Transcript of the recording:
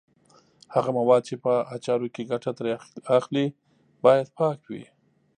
هغه مواد چې په اچارو کې ګټه ترې اخلي باید پاک وي.